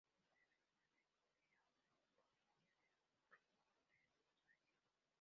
Fue filmada en Luleå, Provincia de Norrbotten, Suecia.